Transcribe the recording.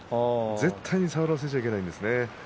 絶対に触らせてはいけないです。